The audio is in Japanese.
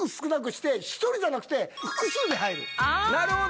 なるほど！